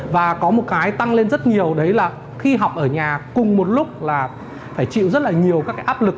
và có một cái tăng lên rất nhiều đấy là khi học ở nhà cùng một lúc là phải chịu rất là nhiều các cái áp lực